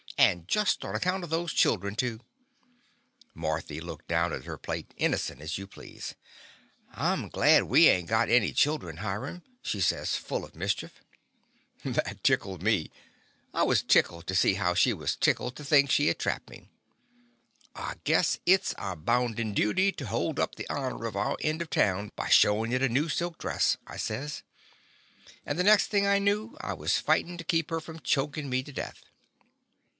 "And just on account of those chil dren, too!" Marthy looked down at her plate, innocent as you please. "I 'm glad we ain't got any chil dren, Hiram," she says, full of mis chief. The Confessions of a Daddy That tickled me. I was tickled to see how she was tickled to think she had trapped me. "I guess it 's our bounden duty to hold up the honor of our end of town by showin' it a new silk dress/' I says, and the next thing I knew I was fight in' to keep her from chokin' me to death.